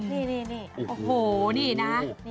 โหนี่นะ